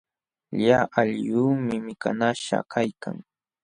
Lla aylluumi mikanaśhqa kaykan.